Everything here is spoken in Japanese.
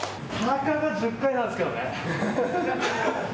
たかが１０回なんですけどね。